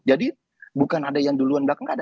jadi bukan ada yang duluan belakang